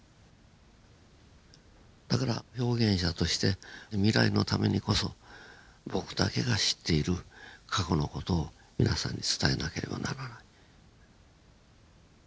だから表現者として未来のためにこそ僕だけが知っている過去の事を皆さんに伝えなければならない。